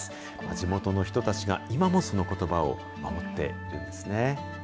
地元の人たちが、今もそのことばを守っているんですね。